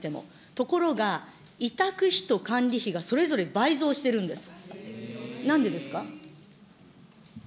ところが、委託費と管理費がそれぞれ倍増してるんです。